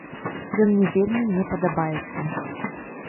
Ён мне вельмі не падабаецца.